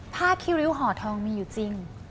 พราะคิลิวหอทองมีอยู่จริง